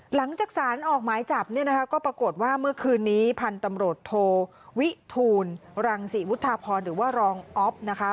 หลังจากสารออกหมายจับเนี่ยนะคะก็ปรากฏว่าเมื่อคืนนี้พันธุ์ตำรวจโทวิทูลรังศรีวุฒาพรหรือว่ารองอ๊อฟนะคะ